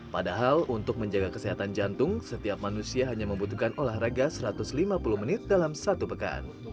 padahal untuk menjaga kesehatan jantung setiap manusia hanya membutuhkan olahraga satu ratus lima puluh menit dalam satu pekan